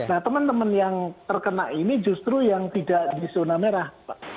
nah teman teman yang terkena ini justru yang tidak di zona merah